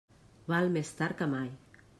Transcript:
Val més tard que mai.